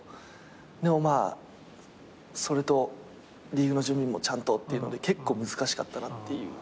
でもまあそれとリーグの準備もちゃんとっていうので結構難しかったなっていう。